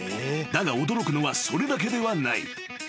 ［だが驚くのはそれだけではない］